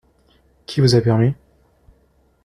Qui vous a permis ?…